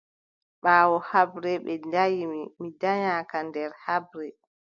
Ɓaawo haɓre ɓe danyi mi, mi danyaaka nder haɓre.